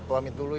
pamit dulu ya